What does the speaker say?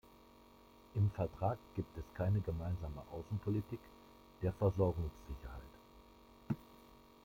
Im Vertrag gibt es keine gemeinsame Außenpolitik der Versorgungssicherheit.